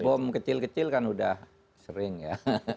bom kecil kecil kan udah sering ya